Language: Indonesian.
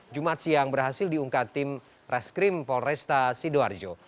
jumat siang berhasil diungkap tim reskrim polresta sidoarjo